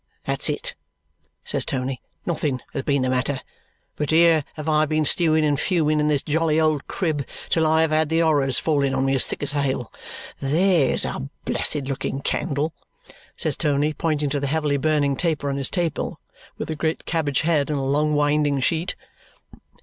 "That's it!" says Tony. "Nothing has been the matter. But here have I been stewing and fuming in this jolly old crib till I have had the horrors falling on me as thick as hail. THERE'S a blessed looking candle!" says Tony, pointing to the heavily burning taper on his table with a great cabbage head and a long winding sheet.